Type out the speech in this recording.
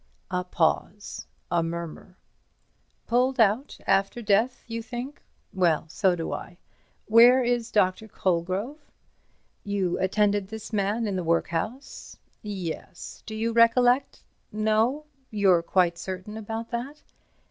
A pause. A murmur. "Pulled out? After death, you think—well, so do I. Where is Dr. Colegrove? You attended this man in the workhouse? Yes. Do you recollect—? No? You're quite certain about that?